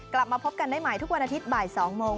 กลับมาพบกันได้ใหม่ทุกวันอาทิตย์บ่าย๒โมง